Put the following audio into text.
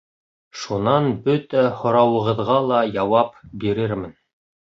Шунан бөтә һорауығыҙға ла яуап бирермен.